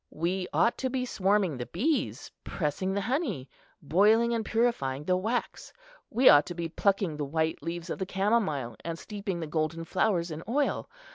We ought to be swarming the bees, pressing the honey, boiling and purifying the wax. We ought to be plucking the white leaves of the camomile, and steeping the golden flowers in oil.